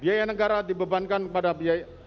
biaya negara dibebankan kepada biaya